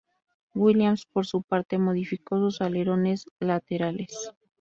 Williams, por su parte, modificó sus alerones laterales.